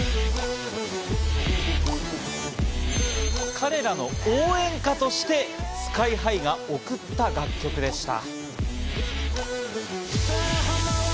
彼らの応援歌としてＳＫＹ−ＨＩが送った歌曲でした。